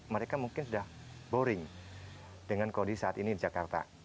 mereka mungkin sudah boring dengan kondisi saat ini di jakarta